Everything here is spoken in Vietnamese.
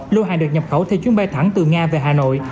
lô hàng được nhập khẩu theo chuyến bay thẳng từ nga về hà nội